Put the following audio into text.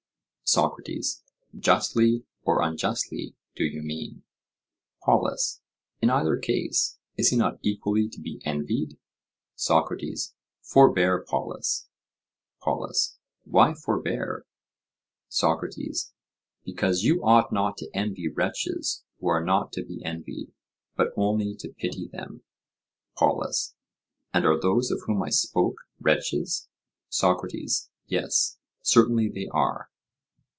SOCRATES: Justly or unjustly, do you mean? POLUS: In either case is he not equally to be envied? SOCRATES: Forbear, Polus! POLUS: Why "forbear"? SOCRATES: Because you ought not to envy wretches who are not to be envied, but only to pity them. POLUS: And are those of whom I spoke wretches? SOCRATES: Yes, certainly they are.